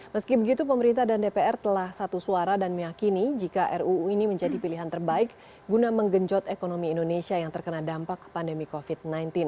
meski begitu pemerintah dan dpr telah satu suara dan meyakini jika ruu ini menjadi pilihan terbaik guna menggenjot ekonomi indonesia yang terkena dampak pandemi covid sembilan belas